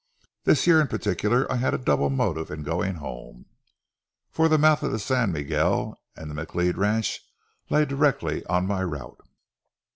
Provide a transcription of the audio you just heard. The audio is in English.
This year, in particular, I had a double motive in going home; for the mouth of San Miguel and the McLeod ranch lay directly on my route.